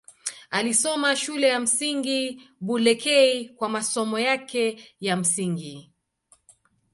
Alisoma Shule ya Msingi Bulekei kwa masomo yake ya msingi.